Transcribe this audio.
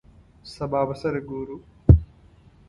سبا به سره ګورو !